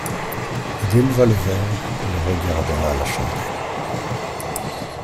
Il éleva le verre, le regarda à la chandelle.